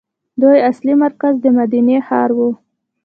دوی اصلي مرکز د مدینې ښار وو.